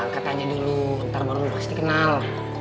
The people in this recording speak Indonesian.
ntar baru pasti kenal